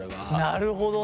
なるほどね。